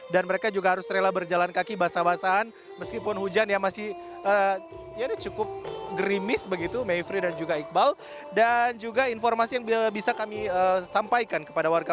dan mereka juga harus rela berjalan kaki basah basahan meskipun hujan yang masih cukup gerimis begitu mevri dan juga iqbal dan juga informasi yang bisa kami sampaikan kepada warga